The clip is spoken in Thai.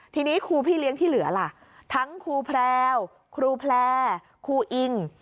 ทีนี้ครูพี่เลี้ยงที่เหลือล่ะทั้งครูแพรวครูแพร่ครูอิง